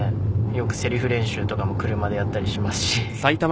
よくせりふ練習とかも車でやったりしますし。